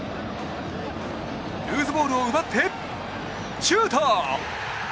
ルーズボールを奪ってシュート！